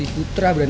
aku mau ke rumah